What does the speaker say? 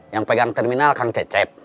yang pegang terminal kang cecep